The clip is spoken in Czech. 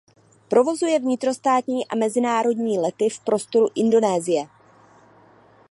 Provozuje vnitrostátní a mezinárodní lety v prostoru Indonésie.